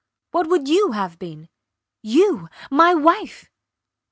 ... What would you have been? ... You! My wife!